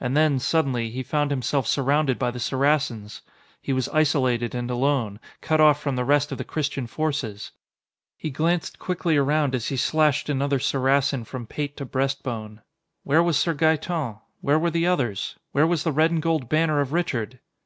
And then, suddenly, he found himself surrounded by the Saracens! He was isolated and alone, cut off from the rest of the Christian forces! He glanced quickly around as he slashed another Saracen from pate to breastbone. Where was Sir Gaeton? Where were the others? Where was the red and gold banner of Richard?